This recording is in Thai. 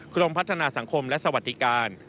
กรมพัฒนาสังคมและสวัสดิการ